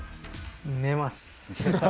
寝ます。